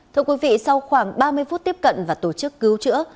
thưa quý vị sau khoảng ba mươi phút tiếp cận và tổ chức cứu chữa